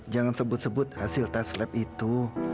jangan sebut sebut hasil tes lab itu